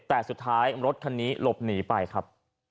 แต่สุดท้ายรถคันนี้หลบหนีไปครับ